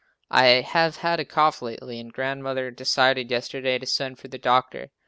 I have had a cough lately and Grandmother decided yesterday to send for the doctor.